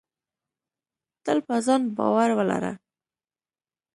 تل په ځان باور ولره.